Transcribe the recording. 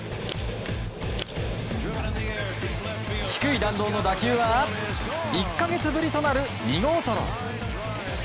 低い弾道の打球は１か月ぶりとなる２号ソロ。